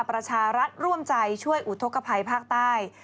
ประชารัฐร่วมใจช่วยอุทธกภัยภาคใต้